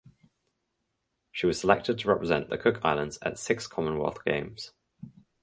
She was selected to represent the Cook Islands at six Commonwealth Games.